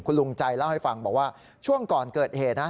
ลุงใจเล่าให้ฟังบอกว่าช่วงก่อนเกิดเหตุนะ